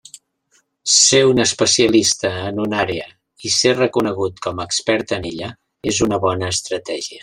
Ser un especialista en una àrea i ser reconegut com a expert en ella és una bona estratègia.